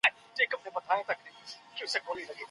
هغه غوښه چې په بازار کې په یخچال کې وي، د ډاډ وړ ده.